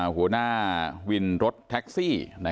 หัวหน้าวินรถแท็กซี่